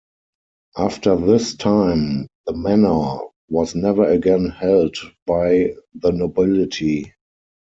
After this time the Manor was never again held by the nobility.